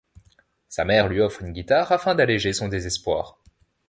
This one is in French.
Sa mère lui offre une guitare afin d'alléger son désespoir.